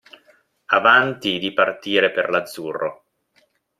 Avanti di partire per l'azzurro.